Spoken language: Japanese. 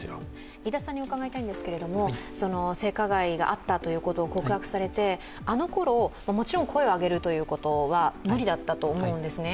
飯田さんに伺いたいんですけど性加害があったということを告白されてあのころ、もちろん声を上げるというのは無理だったと思うんですね。